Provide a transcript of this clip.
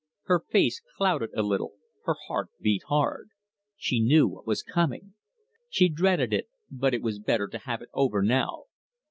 Her face clouded a little; her heart beat hard. She knew what was coming. She dreaded it, but it was better to have it over now.